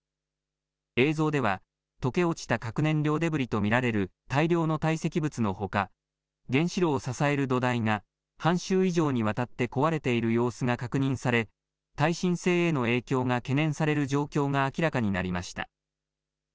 映像では溶け落ちた核燃料デブリと見られる大量の堆積物のほか、原子炉を支える土台が半周以上にわたって壊れている様子が確認され、耐震性への影響が懸念される状況が明らかになりました。